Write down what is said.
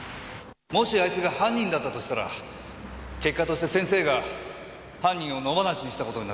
〔もしあいつが犯人だったら結果として先生が犯人を野放しにしたことになる〕